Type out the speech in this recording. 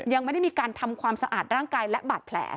ยังไม่ได้มีการทำความสะอาดร่างกายและบาดแผล